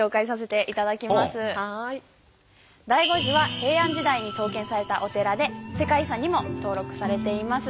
醍醐寺は平安時代に創建されたお寺で世界遺産にも登録されています。